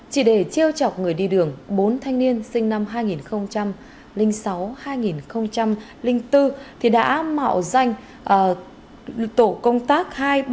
chỉ để chiêu chọc người đi đường bốn thanh niên sinh năm hai nghìn sáu hai nghìn bốn đã mạo danh tổ công tác hai trăm ba mươi ba